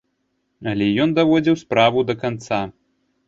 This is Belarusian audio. Але ён даводзіў справу да канца.